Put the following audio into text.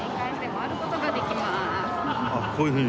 ああこういうふうに。